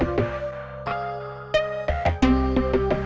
ya baik bu